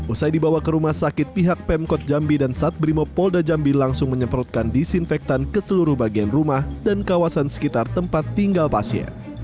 usai dibawa ke rumah sakit pihak pemkot jambi dan sat brimopolda jambi langsung menyemprotkan disinfektan ke seluruh bagian rumah dan kawasan sekitar tempat tinggal pasien